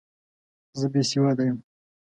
زه بې سواده یم!